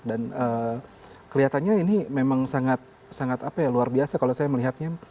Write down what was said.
dan kelihatannya ini memang sangat luar biasa kalau saya melihatnya